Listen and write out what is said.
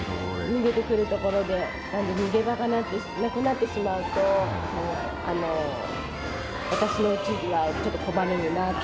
逃げてくる所で、なので、逃げ場がなくなってしまうと、私の主人はちょっと困るよなと。